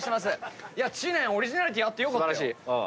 知念オリジナリティーあって良かったよ。